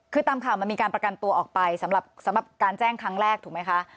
คือตามข่าวมันมีการประกันตัวออกไปสำหรับการแจ้งครั้งแรกถูกไหมคะ